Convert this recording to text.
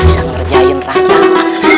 sang terjayun rakyat